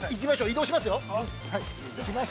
◆移動しますよ。